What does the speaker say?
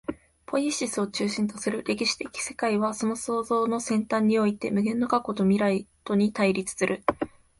ポイエシスを中心とする歴史的世界は、その創造の尖端において、無限の過去と未来とに対立する。